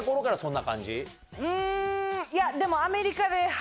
んいやでもアメリカ。